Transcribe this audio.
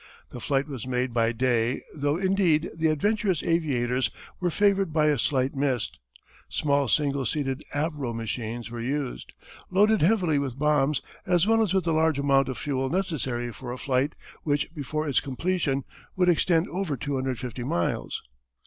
The flight was made by day though indeed the adventurous aviators were favoured by a slight mist. Small single seated "avro" machines were used, loaded heavily with bombs as well as with the large amount of fuel necessary for a flight which before its completion would extend over 250 miles.